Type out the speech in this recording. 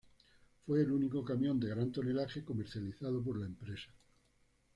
Fue el único camión de gran tonelaje comercializado por la empresa.